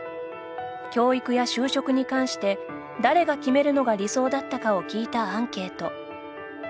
教育や就職に関して誰が決めるのが理想だったかを聞いたアンケート。